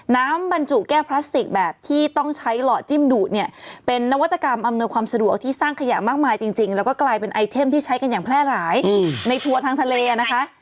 บรรจุแก้พลาสติกแบบที่ต้องใช้หล่อจิ้มดูดเนี่ยเป็นนวัตกรรมอำนวยความสะดวกที่สร้างขยะมากมายจริงแล้วก็กลายเป็นไอเทมที่ใช้กันอย่างแพร่หลายในทัวร์ทางทะเลนะคะ